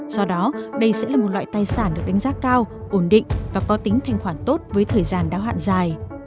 do đó đây sẽ là một loại tài sản được đánh giá cao ổn định và có tính thanh khoản tốt với thời gian đáo hạn dài